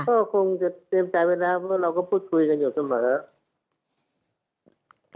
ก็คงจะเตรียมใจไว้แล้วเพราะเราก็พูดคุยกันอยู่เสมอ